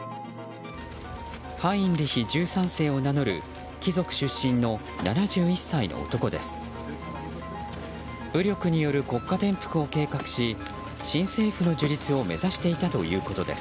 ハインリヒ１３世を名乗る貴族出身の７１歳の男です。